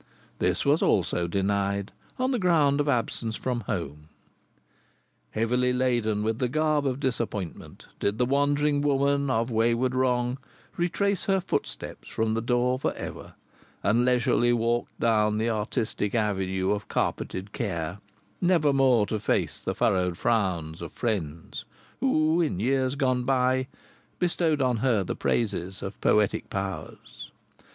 This also was denied, on the ground of absence from home. Heavily laden with the garb of disappointment did the wandering woman of wayward wrong retrace her footsteps from the door for ever, and leisurely walked down the artistic avenue of carpeted care, never more to face the furrowed frowns of friends who, in years gone by, bestowed on her the praises of poetic powers.